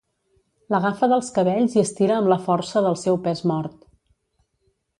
L'agafa dels cabells i estira amb la força del seu pes mort.